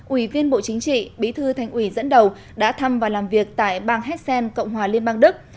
ủy viên bộ chính trị bí thư thành ủy dẫn đầu đã thăm và làm việc tại bang hessen cộng hòa liên bang đức